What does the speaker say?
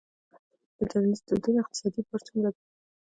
د ټولنیزو دودونو اقتصادي بار څومره دی؟